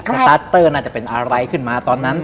สตาร์ทเตอร์น่าจะเป็นอะไรขึ้นมาตอนนั้น